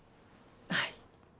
はい。